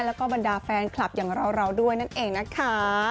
แล้วก็บรรดาแฟนคลับอย่างเราด้วยนั่นเองนะคะ